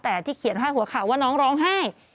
แต่ที่เขียนพาดหัวข่าวว่าน้องร้องไห้